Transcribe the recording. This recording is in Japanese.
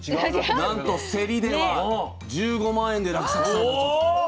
なんと競りでは１５万円で落札されたそうです。